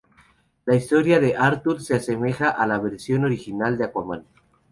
La historia de Arthur se asemeja a las versión original de Aquaman.